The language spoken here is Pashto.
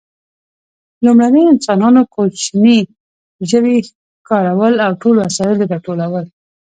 لومړنیو انسانانو کوچني ژوي ښکارول او ټول وسایل یې راټولول.